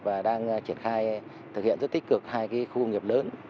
và đang triển khai thực hiện rất tích cực hai khu công nghiệp lớn